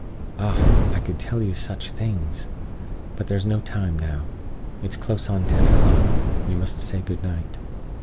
Ah! I could tell you such things! But there's no time now it's close on ten o'clock; we must say good night.